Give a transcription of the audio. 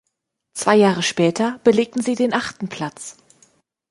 Zwei Jahre später belegten sie den achten Platz.